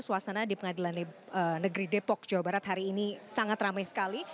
suasana di pengadilan negeri depok jawa barat hari ini sangat ramai sekali